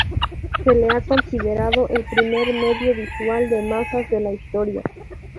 Se le ha considerado el primer medio visual de masas de la historia.